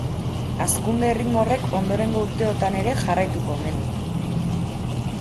Hazkunde-erritmo horrek ondorengo urteotan ere jarraituko omen du.